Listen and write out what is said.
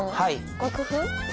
楽譜？